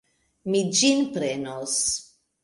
Mi ĝin prenos.